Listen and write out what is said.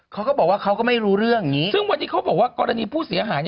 เขาก็บอกว่าเขาก็ไม่รู้เรื่องนี้ซึ่งวันนี้เขาบอกว่ากรณีผู้เสียหาย